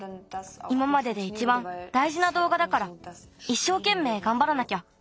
いままででいちばんだいじなどうがだからいっしょうけんめいがんばらなきゃ。